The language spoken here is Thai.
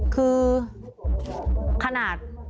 คือขนาด